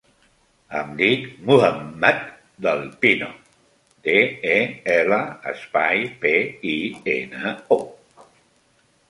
Em dic Muhammad Del Pino: de, e, ela, espai, pe, i, ena, o.